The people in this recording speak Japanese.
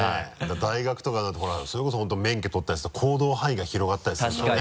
大学とかになるとそれこそ本当免許取ったりすると行動範囲が広がったりするからね。